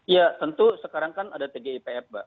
ya tentu sekarang kan ada tgipf mbak